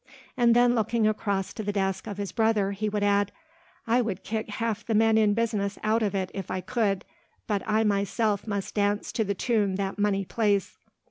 And then looking across to the desk of his brother he would add, "I would kick half the men in business out of it if I could, but I myself must dance to the tune that money plays."